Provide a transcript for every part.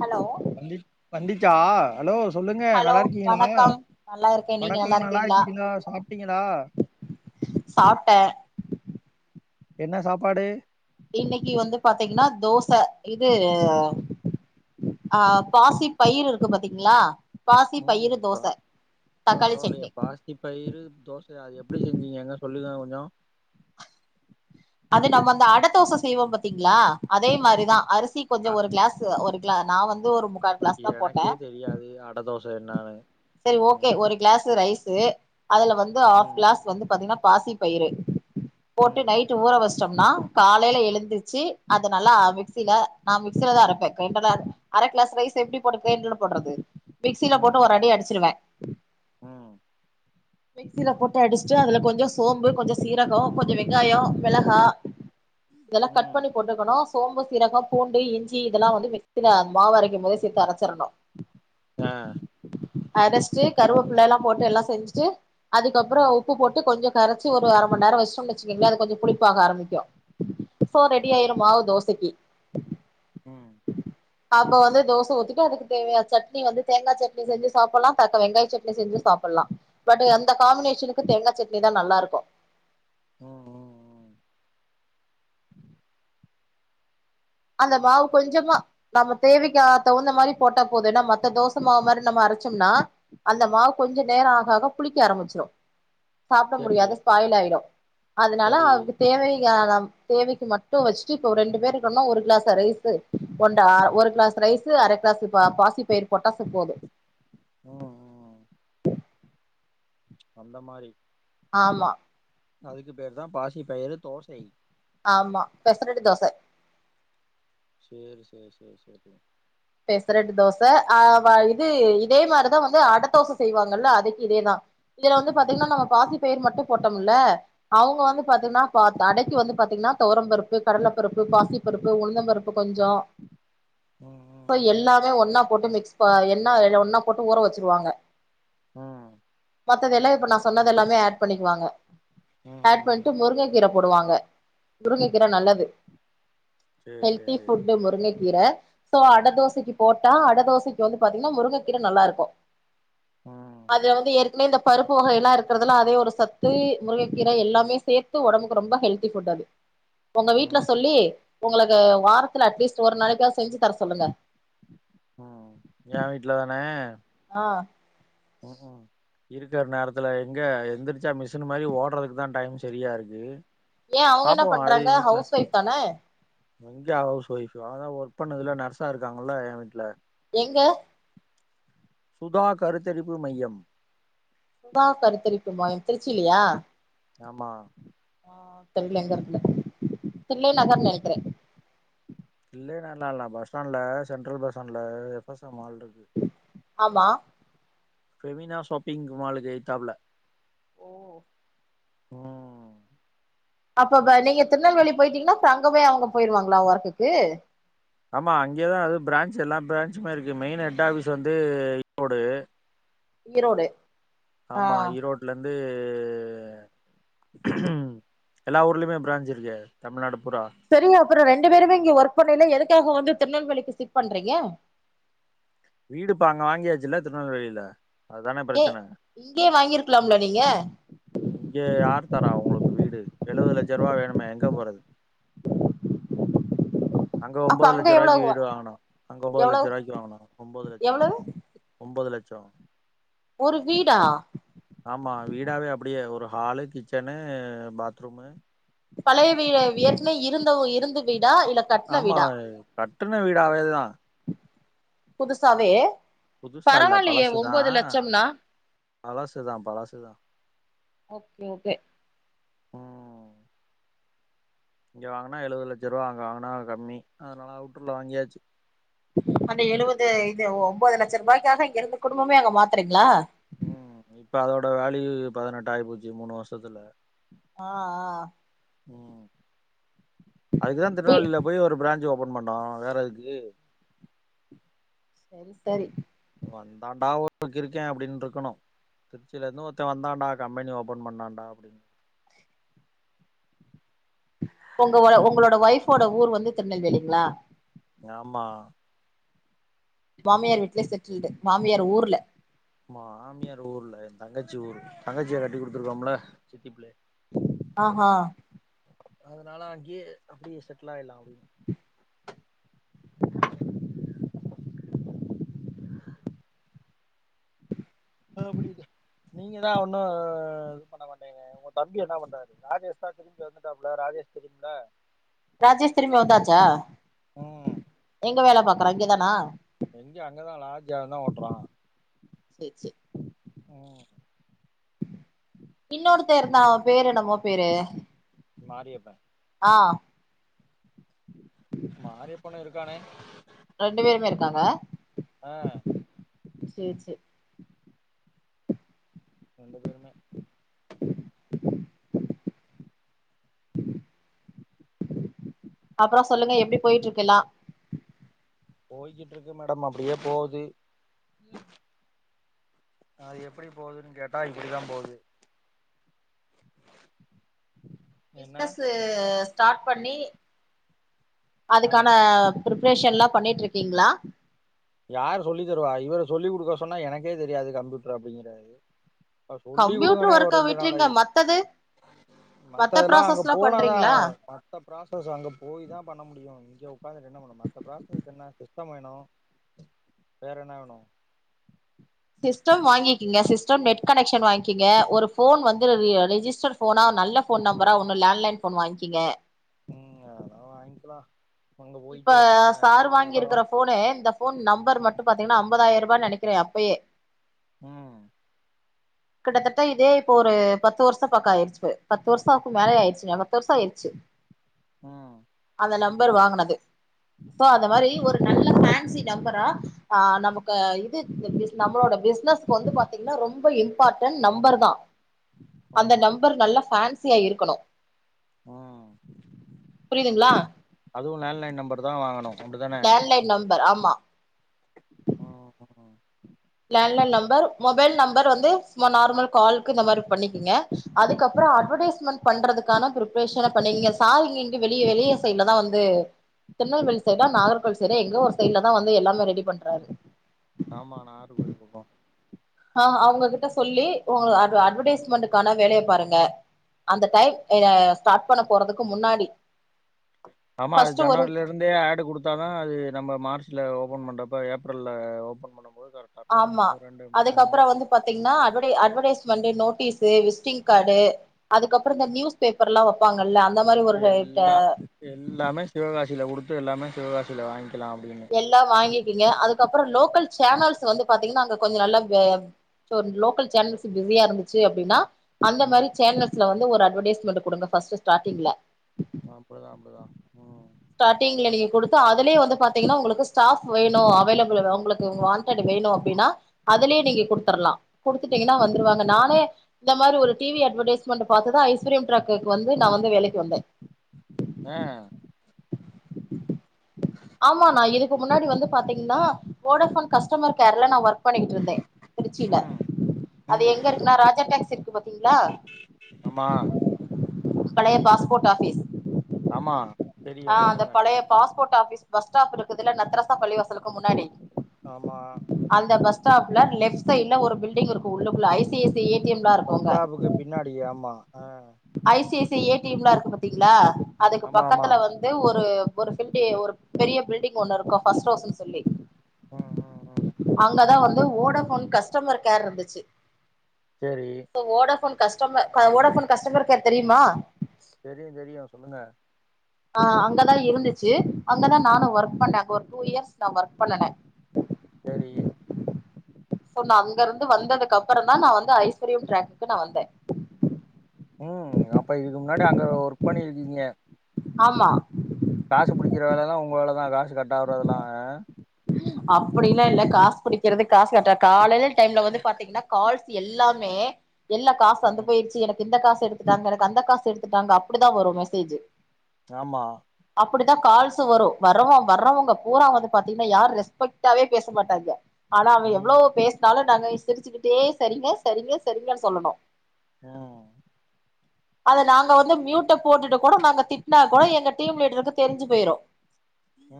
hello வந்திச்சா hello சொல்லுங்க hello நல்லா இருக்கீங்களா வணக்கம் நல்லா இருக்கே நீங்க வணக்கோ நல்லா இருக்கீங்களா இருக்கீங்ளா சாப்ட்டீங்களா சாப்ட்ட என்ன சாப்பாடு இன்னைக்கி வந்து பாத்தீங்கன்னா தோச இது ஆ பாசி பயிரு இருக்கு பாத்தீங்ளா பாசி ம் பயிறு தோச தக்காளி சட்னி இப்ப இரு தோச அது எப்டி செஞ்சீங்க எங்க சொல்லுங்க கொஞ்சோ அது நம்ம அந்த அடதோச செய்வோ பாத்தீங்ளா அதே மாரிதா அரிசி கொஞ்சோ அ ஒரு கிளாஸு ஒரு ல நா வந்து ஒரு முக்கா கிளாஸ் தா போட்டே எனக்கே தெரியாது அட தோச என்னானு செரி ஓகே ம் ஒரு கிளாஸு ரைஸு அதுல வந்து ஹாப் ம் கிளாஸ் வந்து பாத்தீங்கன்னா பாசி பயிரு போட்டு ம் நைட்டு ஊற வஸ் சம்னா காலையில எழுந்திருச்சி அத நல்லா மிக்சியில நா மிக்சிலதா அரப்பே க்ரைன்டர்ல அர கிளாஸ் ரைஸு எப்டி போட்டு கிரைண்டர்ல போட்றது மிக்சில போட்டு ஒரு ம் அடி அடிச்சிருவே ம் ம் மிக்சில போட்டு அடிஸ்ட்டு அதுல கொஞ்சோ சோம்பு கொஞ்சோ சீரகோ கொஞ்சோ வெங்காயோ மெளகா இதெல்லா கட் ம் பண்ணி போட்டுக்கணு சோம்பு சீரகோ பூண்டு இஞ்சி இதெல்லா வந்து மிக்சில மாவு அரக்கிம் போதே சேர்த்து அரச்சிறணு அ அரஸ்ட்டு கருவேப்புள்ள எல்லா போட்டு எல்லா செஞ்சுட்டு அதுக்கப்புறோ ம் உப்பு போட் டு கொஞ்சோ கரச்சி ஒரு அர மண்நேரோ வச்டோம் வச்சீங்களே அது கொஞ்சோ புளிப்பாக ஆரம்பிக்கு சோ ம் ரெடி ம் ம் ஆயிரு மாவு தோசைக்கி ம் அப்போ வந்து தோச ஊத்திட்டு அதுக்கு தேவையான சட்னி வந்து தேங்கா சட்னி செஞ்சி சப்பலா தக்க வெங்காய சட்னி செஞ்சு சாப்பல்லா பட்டு அந்த காமினேஷனுக்கு தேங்கா சட்னி தா நல்லாருக்கு ம் ம் அந்த மாவு கொஞ்சமா நம்ம தேவைக்கு தகுந்த மாரி போட்டா போது ஏனா மத்த தோசமாவு மாரி நம்ம அரச்சம்னா அந்த மாவு கொஞ்சோ நேரோ ஆக ஆக புளிக்க ஆரம்பிச்சிரு சாப்ட சரி முடியாது ஸ்பாயில் ஆயிடு அதனால சரி அதுக்கு தேவையான தேவைக்கு மட்டு வச்சுட்டு இப்ப ஒரு ரெண்டு பேர் இருக்கம்னா ஒரு க்ளாஸ ரைஸு போண்டா அ ஒரு கிளாஸ் ரைஸு அர க்ளாஸு பா பாசி பயிரு போட்டாசு போது அ அ அ அந்த மாரி ஆமா அதுக்கு பேருதா பாசிப்பயிரு தோசை ஆமா பெசரடி தோச சேரி சேரி சேர் சேரி பெசரெட்டு தோச ஆ இது இதே மார்தா வந்து அட தோச செய்வாங்கல்ல அதுக்கு இதேதா இதுல வந்து ம் பாத்தீங்கன்னா நம்ம பாசிபயர் மட்டு போட்டோம்ல அவுங்க வந்து பாத்தீங்கன்னா பா கடைக்கு வந்து பாத்தீங்கன்னா தோவர பருப்பு கடல பருப்பு பாசி பருப்பு உளுந்தம் பருப்பு கொஞ்சோ அ இப்ப எல்லாமே ஒன்னா போட்டு மிக்ஸ் ப என்னா ஒன்னா போட்டு ஊற வச்சிருவாங்க அ மத்ததெல்லா இப்ப நா சொன்னதெல்லாமே ஆட் பண்ணிக்குவாங்க ம் ஆட் பண் ம் ட்டு முருங்க கீர போடுவாங்க முருங்க கீர நல்லது சேரி சேரி ஹெல்தி சேரி ஃபுட்டு சேரி முருங்கக்கீர சோ அட தோசக்கி போட்டா அட தோசக்கி வந்து பாத்தீங்கன்னா முருங்கக்கீர நல்லாருக்கு ம் அதுல வந்து ஏற் இன்னு இந்த பருப்பு வகையல்லா இருக்கறதுலா அதே ஒரு சத்து முருகக்கீர எல்லாமே சேத்து ஒடம்புக்கு ரொம்ப ஹெல்த்தி ஃபுட்டு அது உங்க வீட்ல ம் சொல்லி உங்களுக்கு வாரத்துல அட்லீஸ்ட் ஒரு நாளைக்காவ்து செஞ்சு தர சொல்லுங்க ம் எ வீட்லதானே அ அஹ இருக்கிற நேரத்துல எங்க எந்திரிச்சா மிஷின்னு மாரி ஓடுறதுக்கு தா டைம் சரியா இருக்கு ஏன் அவுங்க என்ன பாப்போ பண்றாங்க ஹவுஸ் ஒய்ஃப் தான இங்க ஹவுஸ் ஒய்ஃப்பு தா அதா ஒர்க் பண்ணதுல நர்ஸா இருக்காங்கள்ல என் வீட்ல எங்க சுதா கருத்தரிப்பு மையம் சுதா கருத்தரிப்பு மாயம் திருச்சிலியா ஆமா தெர்ல எங்க இருக்குனு தில்லை நகர்னு நனைக்கிறே தில்லைநகர்ல்லா இல்ல பஸ்டாண்ட்ல சென்ட்ரல் பஸ்டாண்ட்ல எஃப்எஸ்எம் மால்ருக்கு ஆமா ஃபெமினா ஷாப்பிங் மாலுக்கு எய்த்தாபுல ஓ ம் அப்ப பா நீங்க திருநெல்வேலி போயிட்டீங்ன்னா அப்ப அங்கவே அவங்க போயிருவாங்ளா ஒர்க்குக்கு ஆமா அங்கேதா அது பிரான்ச் எல்லா பிரான்ச்சுமே இருக்கு மெயின் ஹெட் ஆஃபீஸ் வந்து [inaudible] ரோடு ஈரோடு ஆ ஆமா ஈரோட்டுலந்து எல்லா ஊர்லயுமே பிரான்ஞ் இருக்கே தமிழ்நாடு பூரா செரி அப்புறோ ரெண்டு பேருமே இங்க ஒர்க் பண்ணைல எதுக்காக வந்து திருநெல்வேலிக்கு சிஃப்ட் பண்றீங்க வீடு இப்ப அங்க வாங்கியாச்சுல்ல திருநெல்வேலில அதுதான பிரச்சன இங்யே வாங்கிருக்லாம்ல நீங்க இங்க யார் தரா உங்களுக்கு வீடு எழுவது லட்சரூவா வேணுமே எங்க போறது [unintelligible] அங்க அப்ப ஒன்போது லட்ச ரூபாய்க்க எவ்வளவு வீடு வாங்கனும் அங்க ஒன்போது லட்ச எவ்வளவு ரூபாய்க்கு வாங்கனு ஒன்போது லட்சோ எவ்வளவு ஒன்போது லட்சோ ஒரு வீடா ஆமா வீடாவே அப்பிடியே ஒரு ஹாலு கிச்சனு பாத்ரூமு பழைய வீ வீட்ல இருந்தவ இருந்து வீடா இல்ல கட்ன ஆமா வீடா கட்டுன வீடாவேதா புதுசாவே புதுசாலல பரவாயில்லையே ஒன்பது பழசுதான் லட்சம்னா பழசுதான் பழசுதான் ஓகே ஓகே ம் இங்க வாங்குனா எழுபதுலட்ச ரூபா அங்க வாங்கினா கம்மி அதனால அவுட்டர்ல வாங்கியாச்சு அந்த எழுபது இது ஒன்பது லட்சம் ரூபாய்க்காக அங்க இருந்த குடும்பமே அங்க மாத்துறீங்களா ம் இப்ப அதோட வேல்யூ பதினெட்டாயிப்பச்சு மூணு வருஷத்துல ஆஆ ம் அதுக்குது வீ திருநெ போய் ஒரெயொரு பிரான்ஞ்சு ஓபன் பண்ணோம் வேற அதுக்கு சரி சரி வந்தான்டா ஒருத்தன் கிருக்கன் அப்படின்னு இருக்கணும் திருச்சியிலருந்து ஒருத்தன் வந்தான்டா கம்பெனி ஓப்பன் பண்ணான்ண்டா அப்படின்னு உங்க உங்களோட ஒய்ஃபோட ஊர் வந்து திருநெல்வேலிங்களா ஆமா மாமியார் வீட்டுலய செட்டுல்ட்டு மாமியார் ஊர்ல மா மாமியார் ஊர்ல என் தங்கச்சி ஊர் தங்கச்சியா கட்டி குடுத்துருக்கோம்ல சித்தி பிள்ளை ஆ ஆ அதனால அங்கே அப்படியே செட்டில் ஆயலாம் அப்படின்னு அ அப்படிய நீங்க தான் ஒன்னும் இது பண்ண மாட்டீங்க உங்க தம்பி என்ன பண்றாரு ராஜேஷ் தான் திரும்பி வந்துட்டாப்புல ராஜேஷ் தெரியுமில்ல ராஜேஷ் திரும்ம வந்தாச்சா ம் எங்க வேலை பாக்கறான் இங்கேதானா எங்க அங்கதான் லாட்ஜ் அவந்தா ஓட்றான் சரி சரி ஹ இன்னொருத்த இருந்தான் அவன்‌ பேரு என்னமோ பேரு மாரியப்பன் ஆ மாரியப்ப இருக்கானே ரெண்டு பேருமே இருக்காங்க ஆ சரி சரி ரெண்டு பேருமே அப்புறம் சொல்லுங்க எப்படி போயிட்டு இருக்கு எல்லாம் போய்கிட்டு இருக்கு மேடம் அப்படியே போகுது அது எப்படி போகுதுன்னு கேட்டா இப்டிதான் போகுது என்ன பிஸ்னஸ்ஸு ஸ்டார்ட் பண்ணி ஆ அதுக்கான பிரிப்ரேஷன்ல்லாம் பண்ணிட்டிருக்கீங்களா யார்ரு சொல்லி தருவா இவரு சொல்லி் குடுக்க சொன்னா எனக்கே தெரியாது கம்ப்யூட்டர் அப்படிங்கறாரு அப்ப சொல்லி கம்ப்யூட்டர் கொடுங்காண்ணேஒரு ஒர்க்க ரெண்டு நாள் விட்ருங்க ஆகி மத்தது மத்த மத்ததெல்லா அங்க ப்ராசஸ்லா போனாதா பண்றீங்களா மத்த ப்ராசஸ்லு அங்கே போய் தா பண்ண முடியும் இங்க உக்காந்துட்டு என்ன பண்ண மத்த ப்ராசஸ் என்ன சிஸ்டம் வேணு வேற என்ன வேணு சிஸ்டம் வாங்கிக்கங்க சிஸ்டம் நெட் கனெக்ஷன் வாங்கிக்கங்க ஒரு ஃபோன் வந்து ரிஜிஸ்டர் போனா நல்ல ஃபோன் நம்பரா ஒன்னு லேண்ட்லைன் ஃபோன் வாங்கிங்க ம் அதல்லா வாங்கிக்லா இப்ப சார் வாங்கிருக்கிற ஃபோனு இந்த ஃபோன் நம்பர் மட்டு பாத்தீங்னா ஐம்பதாயிரோ ரூபான்னு நெனக்கிறே அப்பயே ம் கிட்டத்தட்ட இதே இப்போ ஒரு பத்து வருஷ பக்கோ ஆயிடுச்சு பத்து வருஷத்துக்கு மேலே ஆயிடுச்சுங்க பத்து வருஷோ ஆயிடுச்சு ம் அந்த நம்பர் வாங்குனது சோ அந்த மாரி ஒரு நல்ல ஃபேன் சி நம்பரா ஆ நமக்கு இது பிசி நம்மளோட பிசினஸ்க்கு வந்து பாத்தீங்ன்னா ரொம்ப இம்பார்டன்ட் நம்பர் தா அந்த ஆமா நம்பர் நல்லா ஃபேன்சியா இருக்கணு ம் புரியுதுங்களா அதுவு லேண்ட்லைன் நம்பர் தா வாங்கணு அப்டிதான லேண்ட்லைன் நம்பர் ஆமா ம் லேண்ட்லைன் நம்பர் மொபைல் நம்பர் வந்து நார்மல் காலுக்கு இந்த மாரி பண்ணிக்கங்க அதுக்கப்புறோ அட்வடைஸ்மெண்ட் பண்றதுக்கான பிப்பரேஷன இப்ப நீங்க சார்ங்க இங்க வெளி வெளிய சைடுல தா வந்து திருநெல்வேலி சைடா நாகர்கோயில் சைடா எங்கோ ஒரு சைடுல தா வந்து எல்லாமே ரெடி பண்றாரு ஆமா நாகர்கோயில் பக்கோ ஆ அவங்ககிட்ட சொல்லி உங்க அட்வடைஸ்மெண்ட்டுக்கான வேலய பாருங்க அந்த டைம் ஆ ஸ்டார்ட் பண்ண போறதுக்கு முன்னாடி ஆமா அது ஃபர்ஸ்ட்டு ஒரு ஜனவரில இப்ப இருந்தே ஆட் கொடுத்தாதா அது நம்ம மார்ச்ல ஓப்பன் பண்றப்ப ஏப்ரல்ல ஓபன் பண்ணும் போது கரெக் பாப்போ ஆமா ஒரு ரெண்டு மூணு அதுக்கப்புறோ வந்து பாத்தீங்கன்னா அட்வ அட்வடைஸ்மெண்டு நோட்டீஸு விசிட்டிங் கார்டு அதுக்கப்புறோ இந்த நியூஸ் பேப்பர்ல்லா வப்பாங்கல்ல அந்த மாரி ஒரு எல்லா எல்லாமே சிவகாசியில கொடுத்து எல்லாமே சிவகாசியில வாங்கிக்கலா அப்டின்னு எல்லா வாங்கிக்கங்க அதுக்கப்புறோ லோக்கல் சேனல்ஸ் வந்து பாத்தீங்ன்னா அங்க கொஞ்ச நல்லா கே சோ லோக்கல் சேனல்ஸு பிஸியா இருந்துச்சு அப்டின்னா அந்த ம் மாரி சேனல்ஸ்ல வந்து ஒரு அட்வடைஸ்மெண்ட் கொடுங்க ஃபஸ்ட் ஸ்டார்டிங்ல அப்டிதா அப்டிதா ம் ஸ்டாரிங்ல நீங்க கொடுத்து அதுலயு வந்து பாத்தீங்கன்னா உங்களுக்கு ஸ்டாஃப் வேணு அவைலபிள் உங்களுக்கு வேணு அப்டின்னா அதுலயே நீங்க கொடுத்துரலா குடுத்துட்டீங்கன்னா ம் வந்துருவாங்க நானே இந்த மாரி ஒரு டிவி அட்வர்டைஸ் ஸ்மென்ட் பாத்துதா ஐஸ்வர்யம் டிரக்குக்கு வந்து நா வந்து வேலைக்கு வந்தே அஹ் ஆமா நா அது இதுக்கு சரி முன்னாடி வந்து பாத்தீங்ன்னா வோடாஃபோன் கஸ்டமர் கேர்ல நா ஒர்க் பண்ணிக்கிட்டு இருந்தே திருச்சில ம் அது ம் எங்க இருக்குனா ராஜா டாக்ஸ் இருக் இருக்கு பாத்தீங்ளா ஆமா பழைய பாஸ்போர்ட் ஆஃபிஸ் ஆமா தெரியு ஆ அந்த சொல்லுங்க பழைய பாஸ்போர்ட் ஆஃபீஸ் பஸ் ஸ்டாப் இருக்குதுல நத்தரசா பள்ளி வாசலுக்கு முன்னாடி ஆமா அந்த பஸ் ஸ்டாப்ல லெஃப்ட் சைட்ல ஒரு பில்டிங் இருக்கு உள்ளுக்குள்ள ஐ சி ஐ சி ஏடிஎம்லார் பஸ் ஸ்டாப்புக்கு பின்னாடி ஆமா ஐசி ஐசி ஏடிஎம்லா இருக்கு பாத்தீங்ளா அதுக்கு ஆமா ஆமா பக்கத்துல வந்து ஒரு ஒரு பில்டி ஒரு பெரிய பில்டிங் ஒண்ணு இருக்கு ஃபஸ்ட் ஹவுஸ்ன்னு சொல்லி ம் ம் ம் அங்கதா வந்து ஓடஃபோன் கஸ்டமர் கேர் இருந்துச்சு சேரி இப்ப ஓடஃபோன் கஸ்டம க ஓடஃபோன் கஸ்டமர் கேர் தெரிமா தெரியு தெரியு சொல்லுங்க ஆ அங்கதா இருந்துச்சு அங்கதா நானு ம் ஒர்க் பண்ணே அங்க ஒரு டூ இயர்ஸ் நா ஒர்க் பண்ணுனே சேரி ஸோ நா அங்கருந்து வந்ததுக்கப்பறோந்தா நா வந்து ஐஸ்வர்யம் ட்ராக்குக்கு நா வந்தே ம் அப்ப இதுக்கு முன்னாடி அங்க ஒர்க் பண்ணியிருக்கீங்க ஆமா காசு புடிக்கிற வேலைலா ஒங்க வேல தா காசு கட்டாவுறதுலாங்க அப்டில்லா இல்ல காசு புடிக்கிறது காசு கட்டா காலைல டைம்ல வந்து பாத்தீங்கன்னா கால்ஸ் எல்லா மே எல்லா காசு வந்து ம் போய்ருச்சு எனக் இந்த காசு எடுத்துட்டாங்க எனக் அந்த காசு எடுத்துட்டாங்க அப்டிதா வரு மெசேஜு ஆமா அப்டிதா கால்ஸு வரு வர்றவ வர்றவங்க பூரா வந்து பாத்தீங் யார் ரெஸ்பெக்டாவே பேச மாட்டாங்க ஆனா அவே ம் எவ்ளோ பேசு னாலு நாங்க சிரிச்சுக்கிட்டே செரிங்க செரிங்க செரிங்கன் சொல்லனு ம் அத நாங்க வந்து மியூட்ட போட்டுட்டு கூட நாங்க திட்னா கோ எங்க டீம் லீட்ருக்கு தெரிஞ்சு போய்ரு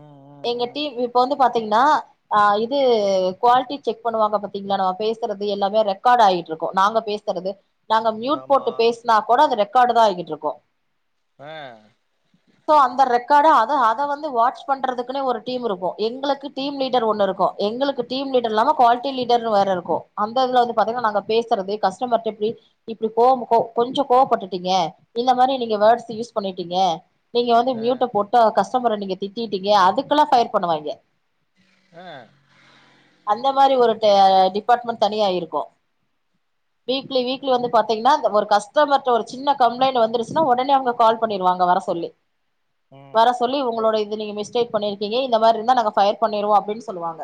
ம் ம் எங்க ம் டீம் இப்ப வந்து பாத்தீங்னா ஆ இது குவாலிட்டி செக் பண்வாங்க பாத்தீங்ளா நம்ம பேசுறது எல்லாமே ரெக்கார்ட் ஆயிட்ருக்கு நாங்க பேசு சறது நாங்க மியூட் ஆமா போட்டு பேசுனா கூட அது ரெக்கார்டு தா ஆகிட்ருக்கு ஆ ஸோ அந்த ரெக்கார்ட அத அத வந்து வாட்ச் பண்றதுக்குனே ஒரு டீம் இருக்கு எங்களக்கு டீம் லீடர் ஒண்ணு இருக்கு எங்களுக்கு டீம் லீடர் இல்லாம குவாலிட்டி லீடர்னு வேற இருக்கு அந்த இதுல வந்து பாத்தீங்னா நாங்க பேசுறது கஸ்டமர்ட்ட எப்டி இப்டி கோம் கோ கொஞ்சொ கோவப்பட்டுட்டீங்க இந்த மாரி நீங்க வேர்ட்ஸ் யூஸ் பண்ணிட்டீங்க நீங்க வந்து ஆ மியூட்ட போட்டு கஸ்டமர நீங்க திட்டிட்டீங்க அதுக்குலா ஃபைன் பண்ணுவாய்ங்க ஆ அந்த மாரி ஒரு ட டிபார்ட்மெண்ட் தனியாய் இருக்கு வீக்லி வீக்லி வந்து பாத்தீங்னா ஒரு கஸ்டமர்ட்ட ஒரு சின்ன கம்ப்ளைண்ட் வந்துருச்சுனா ஒடனே அவுங்க கால் பண்ணிருவாங்க வர சொல்லி ம் வர சொல்லி உங்களோட ஓகேவா இது நீங்க மிஸ்டேக் பண்ணிருக்கீங்க இந்த மார்ருந்தா நாங்க ஃபயர் பண்ணிருவோ அப்டின் சொல்வாங்க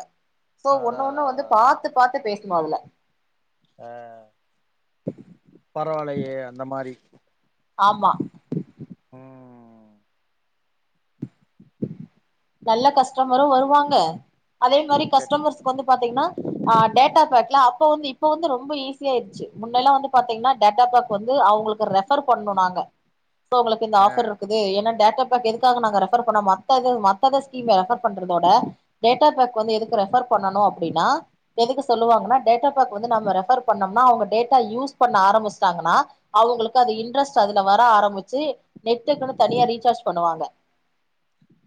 ஸோ அதா அதா ஒன்னொன்னு வந்து அதா அதா பாத்துப் பாத்து பேசனு அதுல ஆ பரவால்லயே அந்த மாரி ஆமா ம் நல்ல கஸ்டமரு வருவாங்க அதே மாரி கஸ்டமர்ஸ்க்கு வந்து பாத்தீங்னா ஆ டேட்டா பேக்ல அ ப்ப வந்து இப்ப வந்து ரொம்ப ஈஸியா ஆய்ருச்சு முன்னெல்லா வந்து பாத்தீங்னா டேட்டா பேக் வந்து அவுங்களுக்கு ரெ ஃபர் பண்ணு நாங்க ஸோ உங்ளுக்கு இந்த ஆ ஆஃபர்ருக்கு து ஏனா டேட்டா பேக் எதுக்காக நாங்க ரெஃபர் பண்ண மத்த இது மத் தத ஸ்கீமு ரெஃபர் பண்றதோட டேட்டா பேக் வந்து எதுக்கு ரெஃபர் பண்ணணு அப்டின்னா எதுக்கு சொல்லுவாங்னா டேட்டா பேக் வந்து நம்ம ரெஃபர் பண்ணம்னா அவுங்க டேட்டா யூஸ் பண்ண ஆரம்மிச்ட்டாங்கன்னா அவுங்ளுக்கு அது இன்ட்ரெஸ்ட் அதுல வர ஆரம்மிச்சு நெட்டுக்குன்னு தனியா ரீசார்ஜ் பண்ணுவாங்க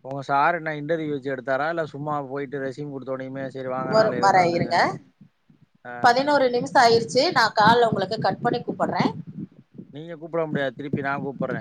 ஒங்க சார் என்ன இண்டர்வியூ வச்சு எடுத்தாரா இல்ல சும்மா போய்ட்டு ரெஸ்யூம் குடுத்தோனயுமே செரி வாங்க ஒரு வர நாளைலந்து இருங்க வந்திருங்கங்க ஆ சோ ஆயிடுச்சி நா கால்ல உங்களுக்கு கட் பண்ணி கூப்புட்ற நீங்க கூப்புட முடியாது திருப்பி நா கூப்புட்ற